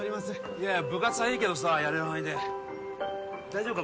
いやいや部活はいいけどさやれる範囲で大丈夫か？